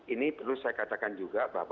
ini perlu saya katakan juga